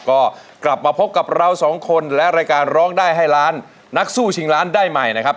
ก็กลับมาพบกับเราสองคนและรายการร้องได้ให้ล้านนักสู้ชิงล้านได้ใหม่นะครับ